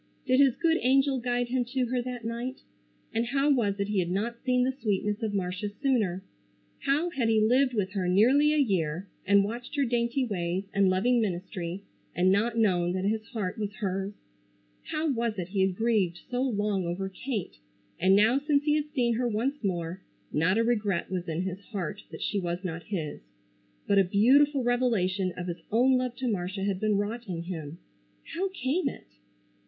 Did his good angel guide him to her that night? And how was it he had not seen the sweetness of Marcia sooner? How had he lived with her nearly a year, and watched her dainty ways, and loving ministry and not known that his heart was hers? How was it he had grieved so long over Kate, and now since he had seen her once more, not a regret was in his heart that she was not his; but a beautiful revelation of his own love to Marcia had been wrought in him? How came it?